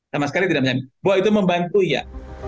sama sekali tidak menyampaikan bahwa itu membantu ya